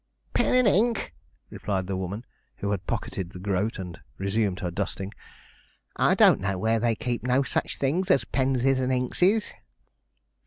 'Pen and ink!' replied the woman, who had pocketed the groat and resumed her dusting; 'I don't know where they keep no such things as penses and inkses.'